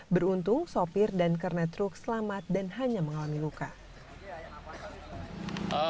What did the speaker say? beruntung sopir dan kernetruk selamat dan hanya mengalami luka